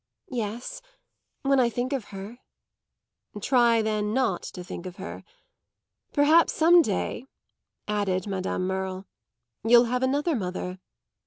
"Yes when I think of her." "Try then not to think of her. Perhaps some day," added Madame Merle, "you'll have another mother."